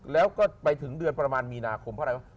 แล้วก็ไปถึงเดือนประมาณมีนาคมเพราะอะไรวะ